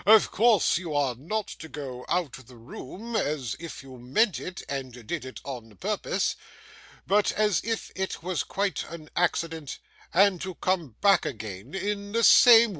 Of course, you are not to go out of the room as if you meant it and did it on purpose, but as if it was quite an accident, and to come back again in the same way.